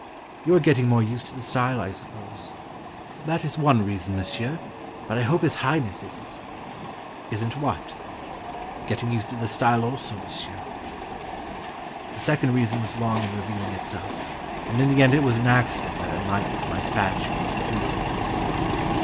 "You are getting more used to the style, I suppose." " That is one reason, monsieur; but I hope His High ness is n't!" "Is n't what?" " Getting used to the style also, monsieur." The second reason was long in revealing itself, and in the end it was an accident that enUghtened my fatuous obtuseness.